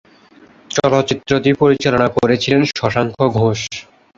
চলচ্চিত্রটি পরিচালনা করেছিলেন শশাঙ্ক ঘোষ।